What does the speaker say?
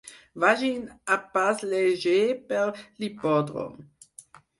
Vagin a pas lleuger per l'hipòdrom.